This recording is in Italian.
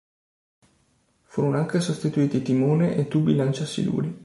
Furono anche sostituiti timone e tubi lanciasiluri.